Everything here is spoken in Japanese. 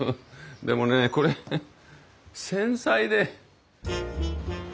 でもねこれ繊細で。